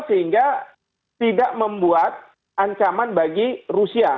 sehingga tidak membuat ancaman bagi rusia